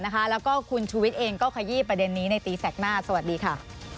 แล้วก็คุณชูวิทย์เองก็ขยี้ประเด็นนี้ในตีแสกหน้าสวัสดีค่ะ